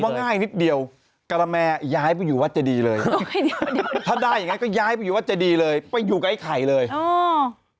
ง่ายนิดเดียวกะละแม่ย้ายไปอยู่วัดเจดีเลยถ้าได้อย่างงั้นก็ย้ายไปอยู่วัดเจดีเลยไปอยู่กับไอ้ไข่เลยอ๋อ